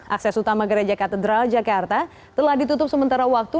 akses utama gereja katedral jakarta telah ditutup sementara waktu